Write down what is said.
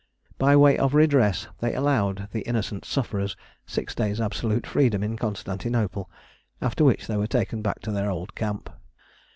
By way of redress they allowed the innocent sufferers six days' absolute freedom in Constantinople, after which they were taken back to their old camp.